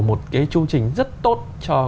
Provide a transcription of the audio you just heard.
một cái chương trình rất tốt cho